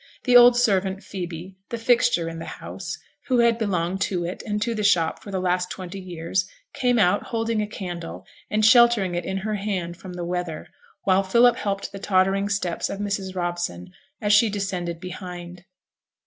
The old servant, Phoebe, the fixture in the house, who had belonged to it and to the shop for the last twenty years, came out, holding a candle and sheltering it in her hand from the weather, while Philip helped the tottering steps of Mrs. Robson as she descended behind.